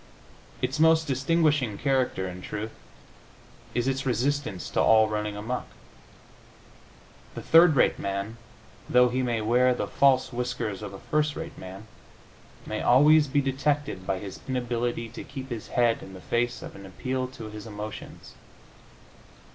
Its most distinguishing character, in truth, is its resistance to all running amuck. The third rate man, though he may wear the false whiskers of a first rate man, may always be detected by his inability to keep his head in the face of an appeal to his emotions.